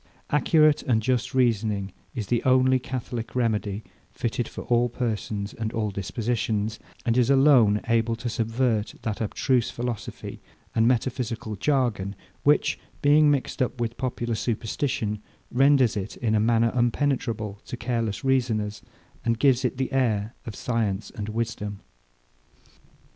Accurate and just reasoning is the only catholic remedy, fitted for all persons and all dispositions; and is alone able to subvert that abstruse philosophy and metaphysical jargon, which, being mixed up with popular superstition, renders it in a manner impenetrable to careless reasoners, and gives it the air of science and wisdom.